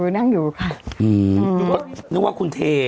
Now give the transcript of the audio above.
นึกว่าคุณเท